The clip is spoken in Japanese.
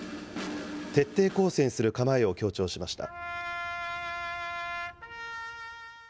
徹底抗戦する構えを強調しました。